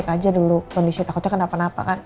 aku mau cek aja dulu kondisi takutnya kenapa napa kan